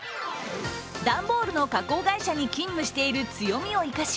段ボールの加工会社に勤務している強みを生かし